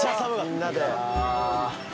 「みんなで」